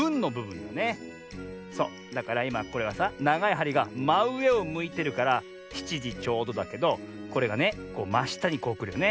そうだからいまこれはさながいはりがまうえをむいてるから７じちょうどだけどこれがねましたにこうくるよね。